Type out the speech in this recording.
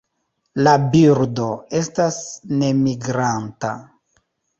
La birdo estas nemigranta.